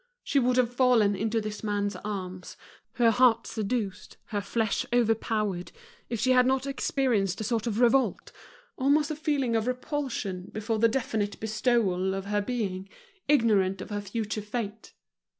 She would have fallen into this man's arms, her heart seduced, her flesh overpowered if she had not experienced a sort of revolt, almost a feeling of repulsion before the definite bestowal of her being, ignorant of her future fate.